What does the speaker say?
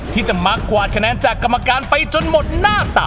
ที่จะมากวาดคะแนนจากกรรมการไปจนหมดหน้าตา